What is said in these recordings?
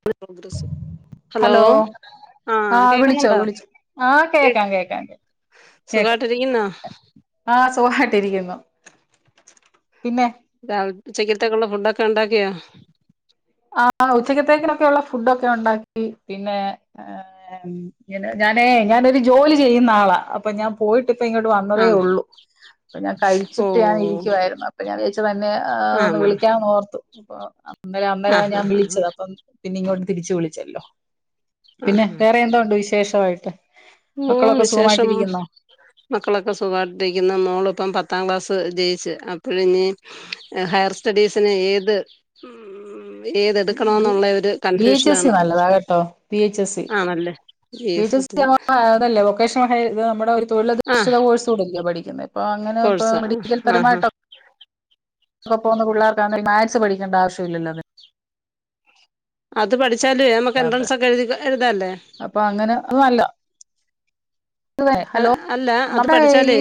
[unintelligible] Progress hello ആഹ് വിളിച്ചോ വിളിച്ചോ ആ കേക്കാം കേക്കാം കേ സുഖായ്ട്ടിരിക്കുന്നാ ആഹ് സുഖായ്ട്ടിരിക്കുന്നു പിന്നെ രാവില് ഉച്ചക്കത്തേക്കുള്ള ഫുഡൊക്കെ ഉണ്ടാക്കിയോ ആഹ് ഉച്ചകത്തേക്ക് ഒക്കെഉള്ള ഫുഡൊക്കെ ഉണ്ടാക്കി പിന്നെ ഏഹ് ഞാനേ ഞാനൊരു ജോലി ചെയ്യുന്ന ആളാ അപ്പൊ ഞാൻ പോയിട്ട് ഇപ്പ ഇങ്ങോട്ട് വന്നതേ ആന്നോ ഒള്ളൂ ഇപ്പ ഞാൻ ഓ കഴിച്ചിട്ട് ഞാൻ ഇരിക്കുവായിരുന്നു അപ്പൊ ഞാൻ വിയാരിച്ച് തന്നെ അ ഒന്ന് ആന്നോ വിളിക്കാന്നോർത്തു അപ്പൊ അന്നേര അന്നേര ആഹ് ഞാൻ ആഹ് ആഹ് വിളിച്ചത് അപ്പം പിന്നെ ഇങ്ങോട്ട് തിരിച്ച് വിളിച്ചല്ലോ ആഹ് പിന്നെ വേറെ എന്തോ ഉണ്ട് വിശേഷവായിട്ട് ഓ മക്കളൊക്കെ വിശേഷം സുഖമായിട്ടിരിക്കുന്നോ മക്കളൊക്കെ സുഖമായിട്ടിരിക്കുന്ന് മോള് ഇപ്പം പത്താം ക്ലാസ് ജയിച്ച് അപ്പോ ഇഞ്ഞി ഹയർ സ്റ്റഡീസിന് ഏത് ഉം ബി എ ഏതെടുക്കണോന്നുള്ള ഒരു ബി എച്ച് എസ് സി കൺഫ്യൂഷനാണ് നല്ലതാ കേട്ടോ ബി എച്ച് എസ് സി ആണല്ലേ ബി എസ് എച്ച് സി സത്തിന് അതല്ലേ വൊക്കേഷണൽ ഹയ് ഇത് നമ്മുടെ ഒരു ആഹ് തൊഴിലധിഷ്ഠിത കോഴ്സ് കൂടെ അല്ലയോ പഠിക്കുന്നേ അപ്പൊ അങ്ങനെ ഇപ്പ കോഴ്സാ മെഡിക്കൽ ആഹ് ആഹ് പരമായിട്ടോ ഇപ്പ പോകുന്ന പുള്ളേർക്ക് ആണെ മാക്സ് പഠിക്കണ്ട ആവശ്യമില്ലല്ലോ അത് അത് പഠിച്ചാലേ നമുക്ക് അതിനകത്ത് എൻട്രൻസ് ഒക്കെ എഴുതി എഴുതാല്ലേ അപ്പൊ അങ്ങനെ അത് നല്ല അത് ഹലോ അല്ല അത് നമ്മുടെ പഠിച്ചാലേ ഈ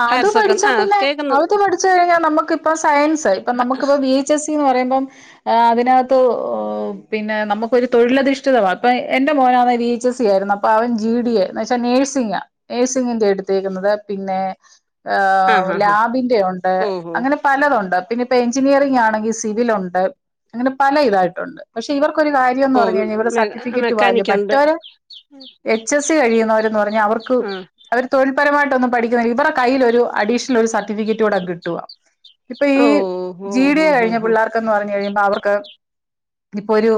ആ ഹയർ അത് സെക്കൻഡ് പഠിച്ചാ ആ പിന്നെ കേക്കുന്നു അതൊക്കെ പഠിച്ചു കഴിഞ്ഞാൽ നമുക്കിപ്പ സയൻസ് ഇപ്പം നമുക് പം ബി ച്ചസ്സി എന്ന് പറയുമ്പം ആഹ് അതിനകത്ത് പിന്നെ നമുക്ക് ഒരു തൊഴിലധിഷ്ഠിതമാ അപ്പൊ എന്റെ മോന് അതാ ടീച്ചേഴ്സ് ചേരന്നം ഇപ്പ അവൻ ജി ഡി എ എന്നു വെച്ചാ നേഴ്സിംഗാ നേഴ്സിങ്ങിന്റെ എടുത്തേക്കുന്നത് പിന്നെ ആ ഏഹ് ആ ആ ലാബിന്റെ ഒണ്ട് ഓ ഓ അങ്ങനെ പലതൊണ്ട് പിന്നെ ഇപ്പ എഞ്ചിനീയറിംഗാണെങ്കി സിവിലൊണ്ട് അങ്ങനെ പലയിതായിട്ടുണ്ട് പക്ഷേ ഇവർക്കൊരു കാര്യന്ന് ഓ പറഞ്ഞ് കഴിഞ്ഞാ ഇവരെ മെ സർട്ടിഫിക്കറ്റ് വാല്യൂ മെക്കാനിക്കുണ്ട് മറ്റവര് എച്ച് എസ് സി കഴിയുന്നവരന്ന് പറഞ്ഞാ അവർക്ക് ആ അവർ തൊഴിൽപരമായിട്ടൊന്നും പഠിക്കിന്നെ ഇവര്ടെ കയ്യിലൊരു അഡീഷണൽ ഒരു സ [unintelligible] കിറ്റോടെ കിട്ടുവാ ഇപ്പ ഈ ഓ ഓ ജി ഓ ഡിയെ കഴിഞ്ഞ ഓ പുള്ളാർ ക്ക്ന്ന് പറഞ്ഞ് കഴിയുമ്പം അവർക്ക് ഇപ്പൊ ഒരു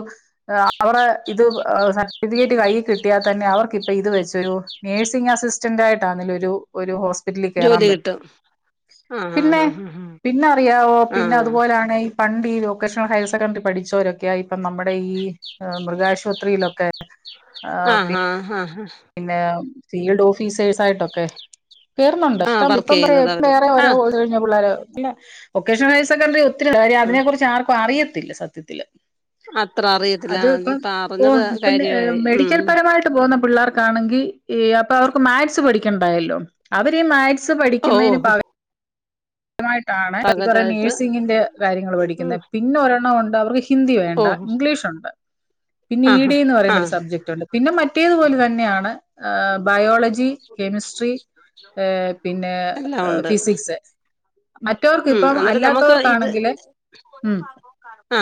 ഏഹ് അവര്ടെ ഇത് ആഹ് സർട്ടിഫിക്കറ്റ് കയ്യിൽ കിട്ടിയാ തന്നെ അവർക്കിപ്പ ഇത് വെച്ചൊരു നേഴ്സിംഗ് അസിസ്റ്റാന്റായിട്ടാന്നേലൊരു ഒരു ഹോസ് [unintelligible] കേറാൻ ജോലി പറ്റൂ കിട്ടും ആ ആ പിന്നെ പിന്നെ അറിയാവോ ആ ആ ആ പിന്നെ ആ അതുപോലാണ് ഈ പണ്ട് ഈ വൊക്കേഷണൽ ഹയർ സെക്കൻഡറി പഠിച്ചോരൊക്കെയാ ഇപ്പം നമ്മടെ ഈ ആഹ് മൃഗാശുവത്രിയിലൊക്കെ ആഹ് ആഹ് ഹാ ഹാ പിന്നെ ഫീൽഡ് ഓഫീസേഴ്സായിട്ടൊക്കെ കേറ്ന്നൊണ്ട് ആ ഇഷ്ടം വർക്ക് ഇപ്പം ചെയ്യുന്നത് [unintelligible] അവരുടെ വേറെ ആ ഒരോ [unintelligible] [unintelligible] പുള്ളാര് ഇല്ലാ വൊക്കേഷണൽ ഹയർ സെക്കൻഡറി ഒത്തിരി ആ [unintelligible] കുറിച്ച് ആർക്കും അറിയത്തില്ല സത്യത്തില് അത്ര അറിയത്തില്ല അത് ആ, ഇപ്പം ഇത് പറഞ്ഞത് ഓഹ് പിന്നെ ഏഹ് കാര്യമായി ഉം മെഡിക്കൽ പരമായി ട്ട് പോവുന്ന പുള്ളാർക്കാണെങ്കി ഈ അപ്പൊ അവർക്ക് മാത്സ് പഠിക്കെണ്ടായല്ലോ അവര് ഈ മാത്സ് സ് ഓ ഓ പഠിക്ക്യുന്നേന് ഹോ. പ [unintelligible] ഈ പറയുന്ന പകരമായിട്ട് നേഴ്സിങ്ങിന്റെ കാര്യങ്ങള് ഉം പഠിക്ക്യിന്നെ പിന്നെ ഒരെണ്ണം കൊണ്ട് അവർക്ക് ഇഷ് ഹിന്ദി ഓ വേണ്ടാ ഇംഗ്ലീഷുണ്ട് പിന്നെ ആ ആ ഇ ഹാ ഡിന്ന് ആ പറയുന്ന ഒരു സബ്ജക്ടുണ്ട് പിന്നെ മറ്റേതു പോലെ ത ന്നെയാണ് ആഹ് ബയോളജി കെമിസ്ട്രി ഏഹ് പിന്നെ എല്ലാം ഏഹ് ഉണ്ട് ഫിസിക്സ് ഉം മറ്റോർക്കിപ്പം അന്നേരം നമുക്ക് ഇത് അല്ലാത്തവർക്കാണെങ്കില് ഉം ആ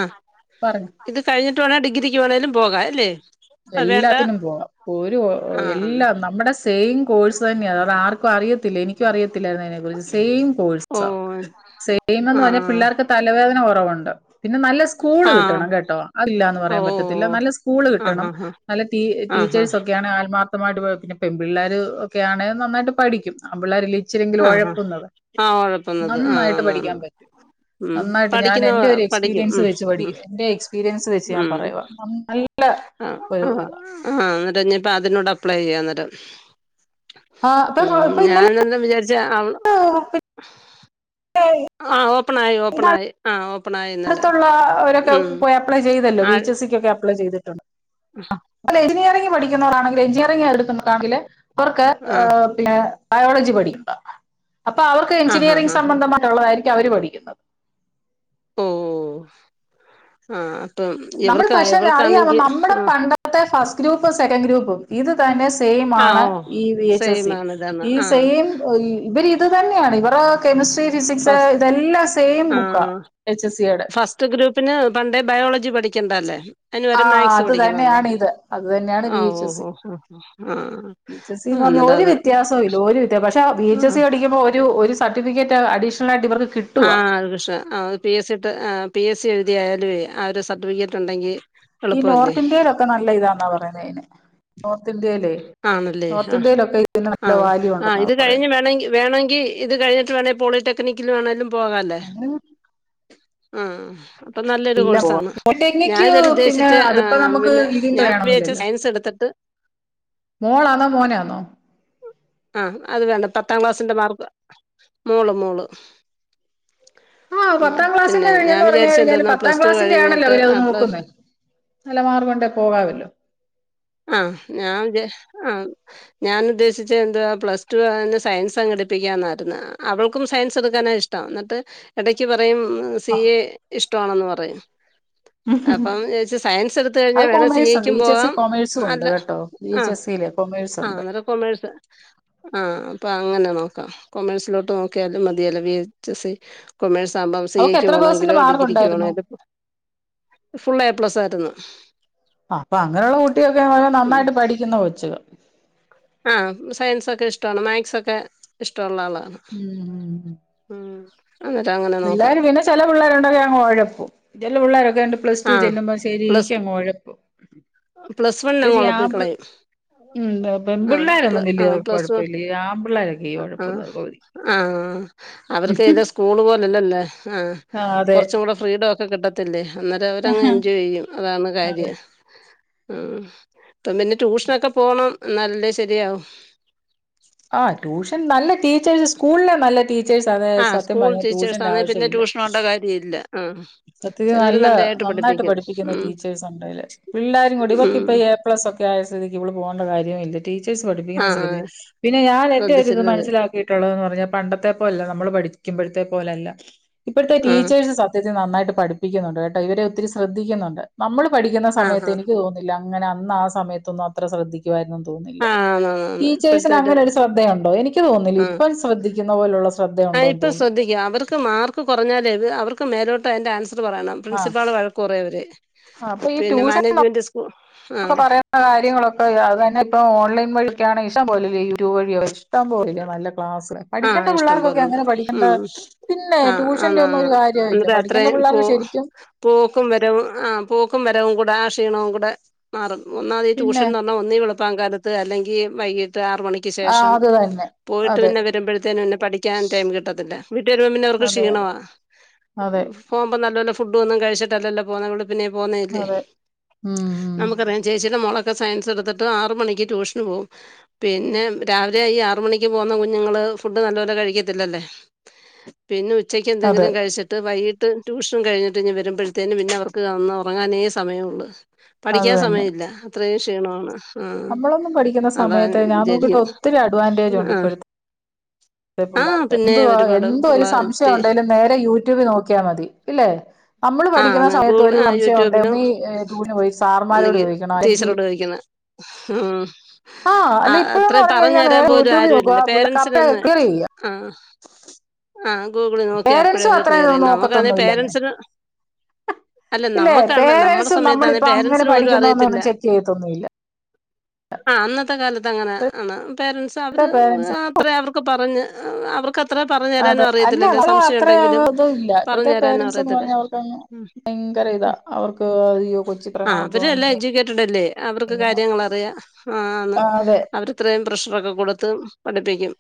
പറഞ്ഞു ഇത് കഴിഞ്ഞിട്ട് വേണം ഡിഗ്രിക്ക് വേണേലും പോകാൻ അല്ലെ എല്ലാത്തിനും പോവാം ഒരു കൊ ആഹ് എല്ലാം നമ്മടെ സെയിം കോഴ്സ് തന്നെയാണ് അത് ആർക്കും അറിയത്തില്ല എനിക്കും അറിയത്തില്ലായിരുന്നു അയിനെ കുറിച്ച് സെയിം കോഴ്സാ ഓഹ് സെയിം എന്ന് പറഞ്ഞാൽ ആഹ് പിള്ളേർക്ക് തലവേദന കൊറവുണ്ട് പിന്നെ നല്ല സ്കൂള് ആഹ് കിട്ടണം കേട്ടോ അതില്ലാന്ന് പറയാൻ പറ്റത്തില്ല ഓഹ് നല്ല സ്കൂള് ആഹ് കിട്ടണം ആഹ് നല്ല തീ ആഹ് ടീച്ചേഴ്സൊക്കെയാണ് ആത്മാ [unintelligible] പെൺപിള്ളാര് ഒക്കെയാണേ നന്നായിട്ട് പഠിക്കും ആൺപിള്ളാരല്ലെ ഇച്ചിരിയെങ്കിലും ആഹ് ആഹ് ഒഴപ്പുന്നത് ആഹ് ഒഴപ്പുന്നത് ആഹ് നന്നായിട്ട് ആന്നാന്ന് പഠിക്കാൻ പറ്റും ഉം നന്നായിട്ട് ഞാൻ പഠിക്കുന്ന എന്റെ ഒരു പഠിക്കും എക്സ്പീരിയൻസ് ഉം വെച്ച് ഉം പഠിക്കുവാ എന്റെ എക്സ്പീരിയൻസ് വെച്ച് ഞാൻ ഉം പറയുവാ [unintelligible] നല്ല ആഹ് ഒരു ആഹ് ഇതാ ആഹ് എന്നിട്ട് ഇഞ്ഞ്പ്പം അതിനോട് അപ്ലൈയ്യാ നേരം ആ, ഇപ്പൊ ഉം ഇപ്പൊ ഇന്നലെ ഞാന് എന്താ വിചാരിച്ചേ അവള് ആഹ് ഓപ്പണായി ഇവിടെ ഓപ്പണായി ആഹ് ഓപ്പണായി ഇന്നലെ അടുത്തുള്ള ഉം ആഹ് അഹ് ക്ക്യൊക്കെ അപ്ലൈ ചെയ്തിട്ടുണ്ട് ഉഹ് അല്ല എഞ്ചിനീയറിങ് പഠിക്ക്യുന്നവരാണെങ്കില് എഞ്ചിനീയറിങ് എടുക്കുവരാണെങ്കില് അവർക്ക് ആഹ് ഏഹ് ഇള്ളേ ബയോളജി പഠിക്കുവാ അപ്പൊ അവർക്ക് ആഹ് ആഹ് എഞ്ചിനീയറിംഗ്സ് ആഹ് സംബന്ധമായിട്ടുള്ളതായിരിക്കും അവര് പഠിക്ക്യുന്ന ഓഹ് ആഹ് അപ്പം നമ്മള് ഇവർക്ക് പക്ഷേല്ലാ അറിയാമോ ഇവൾക്കാണെങ്കി നമ്മടെ ആ പണ്ടത്തെ ഫസ്റ്റ് ഗ്രൂപ്പ് സെക്കൻഡ് ഗ്രൂപ്പും ഇത് തന്നെ ആ സെയിമാണ് ഓ ഈ വി എച്ച് സെയിം എസി ആണ് ഇതെന്നാ ഈ ആ സെയിം ഓഹ് ഇവര് ഇത് തന്നെയാണ് ഇവരെ കെമിസ്ട്രി ഫിസിക്സ് ഫസ്റ്റ് ഇതെല്ലാം സെയിം ആ ബുക്കാ വി എച്ച് എസ് ഇയെടെ [unintelligible] ഗ്രൂപ്പിന് പണ്ടേ ബയോളജി പഠിക്കേണ്ടല്ലേ അയിന് ആ പകരം മാത്‌സ് അത് പഠിക്കണല്ലോ തന്നെയാണ് ഇത് അത് തന്നെയാണ് വി ആഹ് എച്ച് എസ് ഓഹ് സി ഓഹ് ഓഹ് ആഹ് ആഹ് വി എച്ച് എസ് ഇ ന്ന് പറഞ്ഞ് ഒരു വ്യത്യാസവുല്ല ഒരു വ്യത്യാ പക്ഷേ വി എച്ച് എസ് ഇ പഠിക്കുമ്പോ ഒരു ഒരു സർട്ടിഫിക്കറ്റ് അഡീഷണലായിട്ട് ഇവർക്ക് കിട്ടുക ആഹ് അത് പ്രശ്നാ ആഹ് അത് പി എസ് സി ടെ ആഹ് പി എസ് സി എഴുതിയാലുവേ ആഹ് ഒരു സർട്ടിഫിക്കറ്റ് ഉണ്ടെങ്കി ഈ നോർത്ത് ഇന്ത്യയിലൊക്കെ നല്ല ഇതാന്നാ പറയുന്നത് അതിന് നോർത്ത് ഇന്ത്യയിൽ ലെ ആണല്ലേ ആ നോർത്ത് ഇന്ത്യയിലൊക്കെ ഇതിന് നല്ല വാല്യു ഉണ്ടെന്നാണ് പറയുന്നത് വേണങ്കി ഇത് കഴിഞ്ഞിട്ട് വേണേൽ പോളിടെക്നിക്കിൽ വേണമെങ്കിലും പോകാല്ലേ അങ്ങനെ ആഹ് ഹ്മ് അപ്പം നല്ലൊരു എല്ലാം പോവാ കോഴ്സാണ് മുരിങ്ങക്ക് ഞാനിത് വരെ പിന്നെ ഉദ്ദേശിച്ചെ അതിപ്പോ ഏഹ് നമുക്ക് പിന്നെ ഇതിന്റെ ഞാൻ വിചാരിച്ചെ വേണമെന്നില്ലല്ലോ സയൻസ് എടുത്തിട്ട് മോളാന്നോ മോനാന്നോ ആഹ് അത് വേണ്ട പത്താം ക്ലാസിന്റെ മാർക്ക് മോള് മോള് ആഹ് ഉം പത്താം പിന്നെ ക്ലാസിന്റെ ഞാൻ വഴീന്ന് പറഞ്ഞു വിചാരിച്ചത് കഴിഞ്ഞാല് എന്തോന്നാ പത്താം പ്ലസ് ടു ക്ലാസ്സിന്റെ ആണല്ലോ കഴിഞ്ഞിട്ട് അവര് അത് ആ പ്ലസ് നോക്കുന്നേ നല്ല മാർക്ക് ഉണ്ടേൽ പോകാമല്ലോ ആഹ് ഞാൻ വിചാരിച്ചെ ആഹ് ഞാൻ ഉദ്ദേശിച്ചെത് എന്തുവാ പ്ലസ് ടു ആവുന്നെ സയൻസ് അങ്ങ് എടുപ്പിക്കാന്നായിരുന്നു അവൾക്കും സയൻസ് എടുക്കാനാ ഇഷ്ടം ട്ടാ എന്നിട്ട് എടക്ക് പറയും സി ആഹ് എ ഇഷ്ടമാണെന്ന് പറയും അപ്പം വിചാരിച്ചു സയൻസ് എടുത്ത് കഴിഞ്ഞാൽ വേണേൽ സി എയ്ക്കും പോവാം കൊമേഴ്സും ഉണ്ട് കേട്ടോ വി എച്ച് എസ് സിയിൽ ആഹ് കൊമേഴ്സുണ്ട് അന്നേരം കൊമേഴ്സ് ആഹ് അപ്പൊ അങ്ങനെ നോക്കാം കൊമേഴ്സിലോട്ട് നോക്കിയാലും മതിയല്ല V H S C commerce ആകുമ്പോൾ സി അവക്ക് എയ്ക്ക് എത്ര പേഴ്സന്റ് പോണമെങ്കിലോ മാർക്ക് ഡിഗ്രിക്ക് ഉണ്ടായിരുന്നു പോണേലും ഫുള്ള് എ പ്ലസായിരുന്നു ആഹ് അപ്പൊ അങ്ങനെയുള്ള കുട്ടിയൊക്കെ നന്നായിട്ട് പഠിക്കുന്ന കൊച്ച് ആഹ് സയൻസൊക്കെ ഇഷ്ടമാണ് മാത്‌സൊക്കെ ഇഷ്ടമുള്ള ആളാണ് മ്മ് മ്മ് അന്നേരം അങ്ങനെ നോക്കാം പിള്ളേര് പിന്നെ ചെല പിള്ളേരുണ്ടെങ്കിൽ അങ്ങ് ഒഴപ്പും ചെല പിള്ളോരൊക്കെ ഉണ്ട് പ്ലസ് ആ ടു ചെല്ലുമ്പോൾ ശരിക്ക് പ്ലസ് അങ്ങ് ഒഴപ്പും പ്ലസ് വണ്ണിൽ ഇത് അങ്ങ് ചെയ്യാമ്പി ഒളപ്പിക്കളയും ഉം ആഹ് പ്ല പെൺപിള്ളേരൊന്നും വലിയ പ്ലസ് വൺ കുഴപ്പമില്ല ഈ ആൺപിള്ളേരൊക്കെ ഈ ആഹ് കുഴപ്പുന്നത് പകുതി ആഹ് ആഹ് അവർക്ക് ഇത് സ്കൂള് പോലെല്ലല്ലേ ആഹ് ആ അതെ കൊറച്ചും കൂടെ ഫ്രീഡം ഒക്കെ കിട്ടത്തില്ലേ അന്നേരം അവരങ്ങ് എൻജോയ് ചെയ്യും അതാണ് അതെ കാര്യം ഉം ഇപ്പം പിന്നെ ട്യൂഷനൊക്കെ പോണം എന്നാല്ലല്ലെ ശരിയാവും ആഹ് ട്യൂഷൻ നല്ല ടീച്ചേഴ്സ് സ്കൂളിലെ നല്ല ടീച്ചേഴ്‌സ് ടീച്ചേഴ്‌സ് ആണേ ആ സത്യം പറഞ്ഞ ട്യൂഷന്റെ ആവശ്യം ഇല്ല ഇല്ല ആഹ് സത്യത്തി നല്ല നന്നായിട്ട് പഠിപ്പിക്കുന്ന ഉം ടീച്ചേഴ്സ് ഉണ്ടായല് പിള്ളാരും കൂടി ഇടിവൊക്ക ഉം ഇപ്പൊ എ പ്ലസ് ഒക്കെ ആ സ്ഥിതിക്ക് ഇവൾ പോകണ്ട കാര്യവും ഇല്ല ടീച്ചേഴ്സ് പഠിപ്പിക്കുന്ന ആഹ് ശ്രദ്ധി പിന്നെ ഞാൻ എന്താ ഇതിന് ശ്രദ്ധിച്ചിരുന്നത് മനസ്സിലാക്കിയിട്ട് ട്ടുള്ളത് പറഞ്ഞാ പണ്ടത്തെ പോലെല്ല നമ്മള് പഠിക്കുമ്പോഴത്തെ പോലല്ല ഇപ്പോഴത്തെ ആഹ് ടീച്ചേഴ്സ് സ ത്യത്തിൽ നന്നായിട്ട് പഠിപ്പിക്കുന്നുണ്ട് കേട്ടോ ഇവരെ ഒത്തിരി ശ്രദ്ധിക്കുന്നുണ്ട് നമ്മള് പഠിക്കുന്ന സമയത്ത് ആഹ് എനിക്ക് തോന്നു ന്നില്ല അങ്ങനെ അന്ന് ആ സമയത്തൊന്നും അത്ര ശ്രദ്ധിക്കുവായിുന്നും തോന്നുന്നില്ല ആഹ് ആഹ് ആന്ന് ടീച്ചേഴ്സിന് ഇപ്പോഴത്തെര് അങ്ങനെ ഒരു ശ്രദ്ധയുണ്ടോ എനിക്ക് തോന്നുന്നില്ല ഇപ്പം ശ്രദ്ധിക്കുന്ന പോലുള്ള ആ ശ്രദ്ധയുണ്ടോന്ന് ഇപ്പം തോന്നില്ല ശ്രദ്ധിക്കും അവർക്ക് മാർക്ക് ക്ക് കൊറഞ്ഞാല് അവർക്ക് മോല ട്ട്അതിന്റെ ആൻസർ പറയണം പ്രിൻസിപ്പാള് വഴക്ക് പറയ് അവരെ ആഹ് അപ്പൊ ഈ ട്യൂഷൻ ഒക്കെ ആഹ് പറയുന്ന കാര്യങ്ങളൊക്കെ അത്തന്നെ ഇപ്പൊ ഓൺലൈൻ വഴിക്കാണ് ഇഷ്ടം പോലില്ല യൂട്യൂബ് വഴിയോ ഇഷ്ടം പോലില്ലേ നല്ല ക്ലാസ് ആഹ് പഠിക്കേണ്ട ഇഷ്ടം പിള്ളേർക്കൊക്കെ പോലുണ്ട് അങ്ങനെ പഠിക്കേണ്ട ഉം പിന്നെ ആഹ് ട്യൂഷന്റെ ആന്ന് ഒന്നും ആന്ന് ഒരു കാര്യോല്ല എന്നിട്ട് പഠിക്കേണ്ട അത്രയും പിള്ളേർക്ക് പോ ശരിക്കും പോക്കും വരവും ആ പേക്കും വരവും കൂടെ ആ ക്ഷീണവും കൂടെ മറന്നു ഒന്നമത് പിന്നെ ട്യൂഷൻന്നറഞ്ഞാ ഒന്നീ വെളുപ്പാൻ കാലത്ത് അല്ലെങ്കിൽ വൈകിട്ട് ആറുമണിക്ക് ആ ശേഷം അത് തന്നെ അതെ വരുമ്പഴത്തേനും പഠിക്കാൻ ടൈം കിട്ടത്തില്ല വീട്ട് വരുമ്പോ പിന്നെ അവർക്ക് അതെ അതെ ക്ഷീണവാ അതെ പോകുമ്പോനല്ലപോലെ ഫുഡ്‌ ഒന്നും കഴിച്ചിട്ടല്ലല്ലോ പോകുന്നേ അതോണ്ട് പിന്നെ പോവുന്നേല്ലേ അതെ ഉം ഉം നമുക്കറിയാം ചേച്ചീടെ മോളൊക്കെ സയൻസ് എടുത്തിട്ട് ആറ് മണിക്ക് ട്യൂഷന് പോവും പിന്നെ രാവിലെ ഈ ആറ് മണിക്ക് പോകുന്ന കുഞ്ഞുങ്ങള് ഫുഡ് നല്ല പോലെ കഴിക്കത്തില്ലല്ലേ പന്നെ ഉച്ചക്ക് അതെ എന്തെങ്കിലും കഴിച്ചിട്ട് വൈകി ട്ട് ട്യൂഷൻ കഴിഞ്ഞിട്ട് ഇങ്ങ് വരുമ്പഴത്തേന് പിന്നെ അവർക്ക് ഒന്ന് ഒറങ്ങാനെ സമയൊള്ള് അത് പഠിക്കാൻ തന്നെ സമയില്ല അത്രയും ക്ഷീണവാണ് ആഹ് നമ്മളൊന്നും പഠിക്കുന്ന അതാ സമയത്ത് ഞാൻ നോക്കിട്ട് [unintelligible] ഒത്തിരി അഡ്വാൻറേജ് ഉണ്ട് ആഹ് ഇപ്പോഴത്തെ ഇപ്പത്തെ പിള്ളാർക്ക് എന്തുവാ എന്ത്‌വേലും സംശയം പിള്ളേർ ഒണ്ടേലും നേരെ യൂട്യൂബി നോക്കിയാ മതി ഇല്ലേ നമ്മള് ആ പഠിക്കണ സമയത്ത് ഗൂഗിൾ ഒരു ആ സംശയം ഒണ്ടെ യൂട്യൂബിലും ഒന്നീ ട്യുഷന് പോയി സാർമ്മാരോട് അല്ലെങ്കിൽ ചോദിക്കണം അല്ലെങ്കി ടീച്ചറോട് ചോദിക്കുന്നത് ഉം ആഹ് അല്ല അഹ് ഇപ്പഴന്ന് അത്രയും പറഞ്ഞു കഴിഞ്ഞാൽ തരാൻ നേരെ പോലും യൂട്യൂബിൽ ആരും നോക്കുക ഇല്ലല്ലോ പേരെൻ പിള്ളേർക്ക് അപ്പെ ക്ലിയർ [unintelligible] ചെയ്യ ആഹ് ആഹ് ഗൂഗിളീ നോക്കി അപ്പഴേ പേരൻസും അവര് അത്രയും ക്ലിയറെയ്യും നമുക്കാന്നേ നോക്കത്തൊന്നും ഇല്ലെന്നേ പേരൻസിന് അല്ല ഇല്ലേ നമ്മക്കാണ് നമ്മടെ പേരൻസും സമയത്താന്നെ നമ്മളിപ്പോ അങ്ങനെ പേരൻസിന് പോലും അറിയത്തില്ല പഠിക്കുന്നോന്നൊന്നും ചെക്ക് ചെയ്യത്തൊന്നുമില്ല ആഹ് അന്നത്തെ കാലത്ത് അങ്ങനെ ആണ് പേരന്റ്സ് ഇപ്പഴത്തെ അവര് പേരൻസ് ആ അത്രെ അവർക്ക് പറഞ്ഞ് അവർ ക്കത്രെ പറഞ്ഞു തരാനും അതെ അല്ല അറിയത്തില്ലല്ലോ നമ്മള് സംശയം അത്ര ഒണ്ടെങ്കിലും ഇത് ഇല്ല ഇപ്പഴത്തെ പറഞ്ഞു തരാനും പേരൻസ് എന്ന് അറിയത്തില്ല പറഞ്ഞാ അവർക്കങ്ങ് ഉം ഭയങ്കര ഇതാ അവർക്ക് അയ്യോ കൊച്ചിത്ര ആഹ് മാർക്കും അവരും എല്ലാം അങ്ങനെ എജ്യൂക്കേറ്റഡല്ലെ അവർക്ക് കാര്യങ്ങളറിയാം ആഹ് ആന്ന് അവരിത്രയും പ്രഷറൊക്കെ കൊടുത്ത് പഠിപ്പിക്കും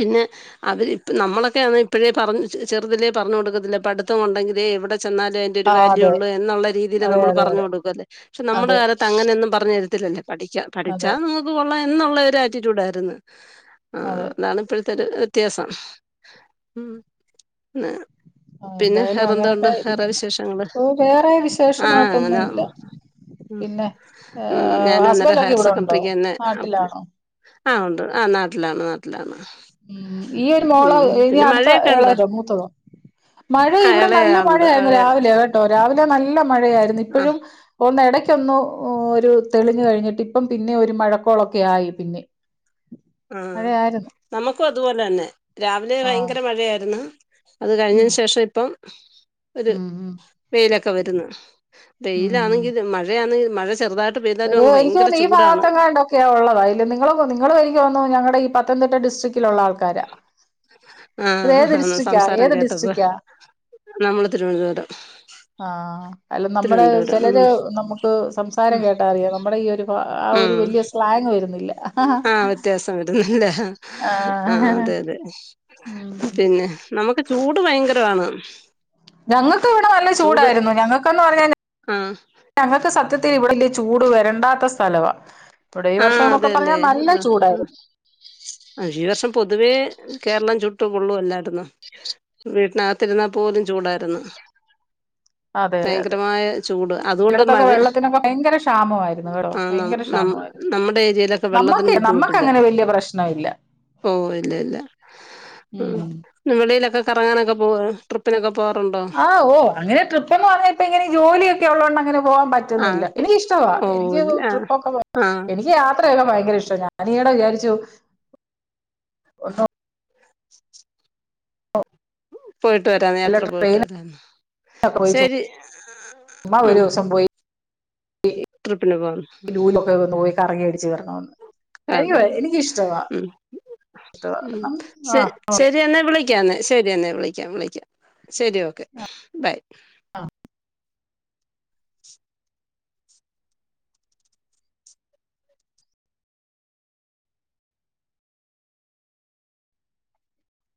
പിന്നെ അവരിപ്പ നമ്മളൊക്കെ അതി ഇപ്പഴേ പറഞ് ചെറുതിലേ പറഞ്ഞ് കൊടുക്കത്തില്ലെ പഠിത്തം ഒണ്ടെങ്കിലേ എവിടെ ചെന്നാലേ ഒരു ആഹ് വാല്യൂ അതെ ഉള്ള് എന്നൊള്ള രീതീല് അതെ നമ്മള് അതെ പറഞ്ഞു അതെ കൊടുക്കുവല്ലേ പക്ഷെ നമ്മടെ അതെ കാലത്ത് അങ്ങനെയൊന്നും പറഞ്ഞു തരത്തില്ലല്ലോ പഠിക്കാ അതെ പഠിച്ചാ നമുക്ക് കൊള്ളാം എന്നുള്ളൊരു ആറ്റിറ്റ്യൂഡ് ആരിന്ന് ആഹ് അതെ അതാണ് ഇപ്പഴത്തെ ഒരു വ്യത്യാസം ഉം ആഹ് ആ, പിന്നെ എന്തായാലും വേറെന്തോണ്ട് അങ്ങനൊക്കെ വേറെ ഇരിക്കുന്നു വിശേഷങ്ങള് ഓ വേറെ ആഹ് വിശേഷമായിട്ടൊന്നും അങ്ങനാ ഇല്ല ഉം പിന്നെ ഞാനും അന്നേരം ഹസ്ബൻഡ് ഒക്കെ ഹയർ ഇവിടെ ഉണ്ടോ സെക്കൻഡ്രിക്ക് തന്നെ നാട്ടിലാണോ [unintelligible] ആഹ് ഉണ്ട് ആഹ് നാട്ടിലാണ് നാട്ടിലാണ് ഉം ഈ ഒരു മോള് ഉം ഇനി പിന്നെ അടുത്ത മഴയൊക്കെ ഉണ്ടോ എളയതോ മൂത്തതോ മഴ ആ ഇവിടെ നല്ല ഇളയാളുണ്ട് മഴയായിരുന്നു ഇളയ രാവിലെ കേട്ടോ രാവിലെ നല്ല മഴയായിരുന്നു ആ ഇപ്പഴും ഒന്ന് എടയ്ക്കൊന്നു ഒരു തെളിഞ്ഞു കഴിഞ്ഞിട്ട് ഇപ്പം പിന്നെ ഒരു മഴക്കോളൊക്കെ ആയി പിന്നേം ആഹ് നമ്മുക്കും അതുപോലെ തന്നെ രാവിലെ ആ ഭയങ്കര മഴയായിരുന്ന് അത് ഉം കഴിഞ്ഞേന് ശേഷം ഇപ്പം ഒരു ഉം വെയിലൊക്കെ വരുന്ന് ഉം വെയിലാണെങ്കില് മഴയാന്നെങ്കി മഴ ചെറുതായിട്ട് അത് പെയ്താലും അങ്ങ് എനിക്ക് ഭയങ്കര തോന്നുന്നു ഈ ചൂടാണ് ഭാഗത്തങ്ങാണ്ട് ക്കെ ഒള്ളതാ അതില് നിങ്ങള് നിങ്ങള് എനിക്കു തോന്നുന്നു ഞങ്ങടെ ഈ പത്തനംതിട്ട ഡിസ്ട്രി‌ക്കിലൊള്ള ആൾക്കാരാ ഇത് ആഹ് ഏത് ആഹ് ഡിസ്ട്രിക്റ്റാ സംസാരം ഏത് കേട്ടപ്പൊ ഡിസ്ട്രിക്റ്റാ ഞമ്മള് തിരുവനന്തപുരം. ആഹ് അല്ല നമ്മടെ തിരുവനന്തപുരം ഉം ചിലര് നമുക്ക് സംസാരം ഉം കേട്ടാ അറിയാം. നമ്മടീ ഒരു ആ ഒരു ഉം വലിയ സ്ലാങ് വരുന്നില്ല ആഹ് വ്യത്യാസം വരുന്നില്ല ആഹ് അതെ അതെ ഉം പിന്നെ നമുക്ക് ചൂട് ഭയങ്കരമാണ്. ഞങ്ങ‌ക്കിവിടെ നല്ല ചൂട് ചൂടായിരുന്നു ഞങ്ങക്കന്ന് പറഞ്ഞ ആഹ് ഞങ്ങക്ക് സത്യത്തിൽ ഇവിടെ വല്ല്യ ചൂട് വരണ്ടാത്ത സ്ഥലവാ ഇവിടെ ഈ ആഹ് വർഷോന്നൊക്കെ പറഞ്ഞാ അതല്ലേ നല്ല ചൂടായിരുന്നു. അഹ് ഈ വർഷം പൊതുവേ കേരളം ചുട്ടു പൊള്ളുവാല്ലായിരുന്നൊ വീട്ടിനകത്തിരുന്നാ പോലും ചൂടാരുന്ന് അതെ അതെ അതെ ഭയങ്കരമായ ചൂട് അതുകൊണ്ട് ചിലയിടത്തൊക്കെ മഴെ വെള്ളത്തിനൊക്കെ ഭയങ്കര ക്ഷാമമായിരുന്നു കേട്ടോ ആന്നാന്ന് ഭയങ്കര ന ക്ഷാമമായിരുന്നു നമ്മുടെ ഏരിയേലൊക്കെ വെള്ളത്തിന് നമ്മക്ക് നമ്മക്ക് ബുദ്ധിമുട്ടില്ല. അങ്ങനെ വലിയ പ്രശ്നമില്ല ഓഹ് ഇല്ലില്ല ഉം ഉം വെളിയിലൊക്കെ കറങ്ങാനൊക്കെ പോവേ ട്രിപ്പിനൊക്ക പോവാറുണ്ടൊ ആഹ് ഓഹ് അങ്ങനെ ട്രിപ്പ് എന്ന് പറഞ്ഞപ്പോ ഇങ്ങനീ ജോലി ഒക്കെ ഉള്ളോണ്ടങ്ങനെ പോവാൻ പ റ്റുന്നില്ല. ആഹ് എനിക്ക് ഇഷ്ടവാ എനിക്ക് ഓഹ് ആഹ് ട്രിപ്പൊക്കെ പോവാൻ ആഹ് എനി ക്ക് യാത്രയക്കെ ഭയങ്കര ഇഷ്ടവ ഞാനീയടെ വിചാരിച്ചു ഒന്ന് പോയിട്ട് വരാന്ന്. വല്ല യാത്ര പോയിട്ട് ട്രെയിനിലൊക്കെ വരാന്ന് പോയി ശെരി മ് ഈ പോവാന്ന് ലൂലൊക്കെ ഒന്ന് പോയി കറങ്ങി അടിച്ച് വരണമെന്ന്. അതെ ഉം ഉം ആ ശ ശരി എന്നെ വിളി ക്കാം. എന്നാൽ ശരി എന്നാൽ വിളിക്കാം. വിളിക്കാം ശെരി ഓക്കെ ബൈ. ആഹ്